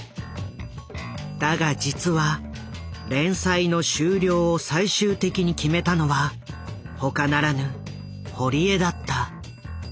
だが実は連載の終了を最終的に決めたのはほかならぬ堀江だった。